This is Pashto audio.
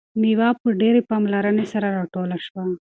میوه په ډیرې پاملرنې سره راټوله شوه.